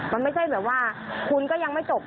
มันไม่ใช่แบบว่าคุณก็ยังไม่จบ